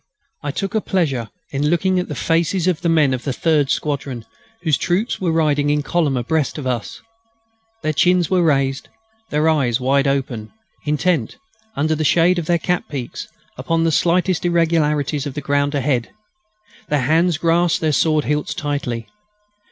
I took a pleasure in looking at the faces of the men of the third squadron, whose troops were riding in column abreast of us. Their chins were raised, their eyes wide open, intent, under the shade of their cap peaks, upon the slightest irregularities of the ground ahead. Their hands grasped their sword hilts tightly.